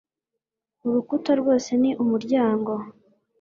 Urukuta rwose ni umuryango.